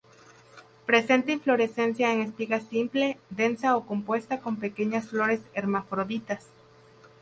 Presenta inflorescencia en espiga simple, densa o compuesta con pequeñas flores hermafroditas.